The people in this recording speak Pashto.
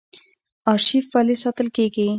ارشیف ولې ساتل کیږي؟